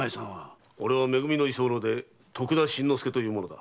俺は「め組」の居候で徳田新之助という者だ。